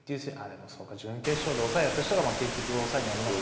でもそうか準決勝で抑えやった人が結局抑えになりますからね。